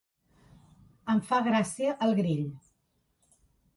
Em fa gràcia el grill.